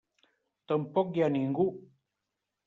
Tampoc hi ha ningú.